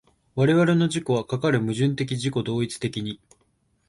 我々の自己はかかる矛盾的自己同一的に